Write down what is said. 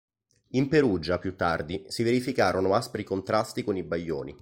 In Perugia, più tardi, si verificarono aspri contrasti con i Baglioni.